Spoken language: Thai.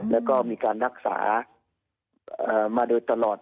แล้วก็มีการรักษามาโดยตลอด